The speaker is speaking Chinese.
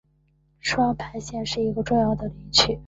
双牌县是一个重要林区。